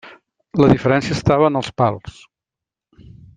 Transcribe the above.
La diferència estava en els pals.